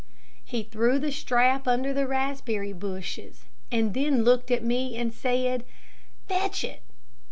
He threw the strap under the raspberry bushes, then looked at me and said, "Fetch it."